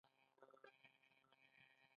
ایا کوم درمل کاروئ؟